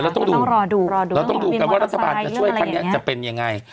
เราต้องดูกันว่ารัฐบาลจะช่วยพันธุ์จะเป็นยังไง